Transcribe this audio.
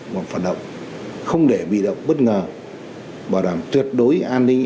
còn phản động không để bị động bất ngờ bảo đảm tuyệt đối an ninh